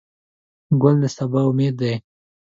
ګل د سبا امید دی.